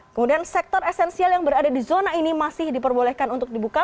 kemudian sektor esensial yang berada di zona ini masih diperbolehkan untuk dibuka